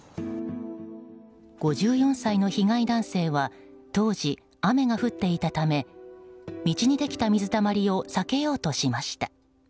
５４歳の被害男性は当時、雨が降っていたため道にできた水たまりを避けようとしました。